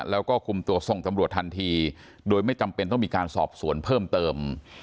แล้วก็คุมตัวส่งตำรวจทันทีโดยไม่จำเป็นต้องมีการสอบสวนเพิ่มเติม